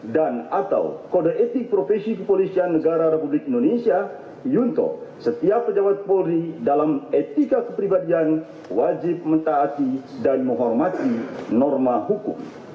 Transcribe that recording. dan atau kode etik profesi kepolisian negara republik indonesia juntuh setiap pejabat polri dalam etika kepribadian wajib mentaati dan menghormati norma hukum